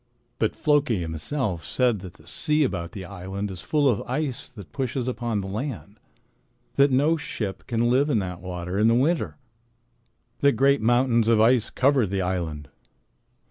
"But Floki himself said that the sea about the island is full of ice that pushes upon the land, that no ship can live in that water in the winter, that great mountains of ice cover the island.